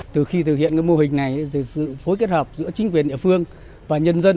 từ khi thực hiện mô hình này sự phối kết hợp giữa chính quyền địa phương và nhân dân